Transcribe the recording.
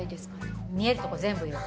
見えるとこ全部よ。